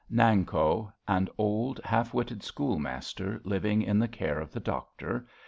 Nanko, an old, half witted schoolmaster, living in the care of the doctor.